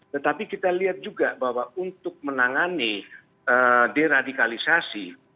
tetapi kita lihat juga bahwa untuk menangani deradikalisasi